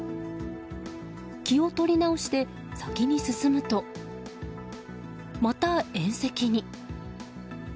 気を取り直して先に進むとまた縁石に。